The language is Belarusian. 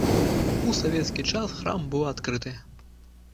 У савецкі час храм быў адкрыты.